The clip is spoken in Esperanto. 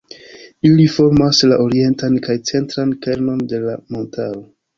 Ili formas la orientan kaj centran kernon de la montaro.